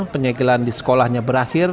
penyegelan di sekolahnya berakhir